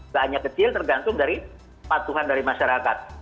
gak hanya kecil tergantung dari patuhan dari masyarakat